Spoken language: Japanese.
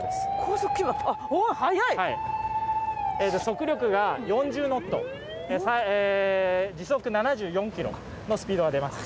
速力が４０ノット時速７４キロのスピードが出ます。